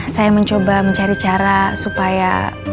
saya mencoba mencari cara supaya